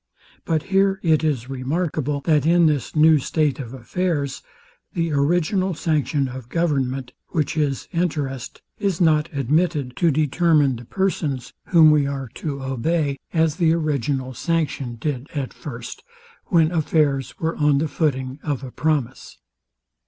But here it is remarkable, that in this new state of affairs, the original sanction of government, which is interest, is not admitted to determine the persons, whom we are to obey, as the original sanction did at first, when affairs were on the footing of a promise.